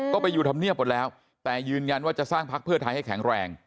ก็ไปอยู่ธรรมเนียบหมดแล้วแต่ยืนยันว่าจะสร้างพักเพื่อไทยให้แข็งแรง